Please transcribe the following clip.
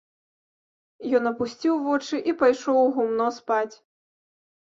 Ён апусціў вочы і пайшоў у гумно спаць.